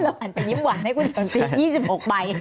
เราก็หันไปยิ้มหวันให้คุณสนทียี่สิบหกใบ